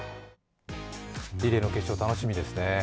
リレーの決勝、楽しみですね。